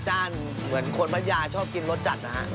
เหมือนคนพัทยาชอบกินรสจัดนะฮะ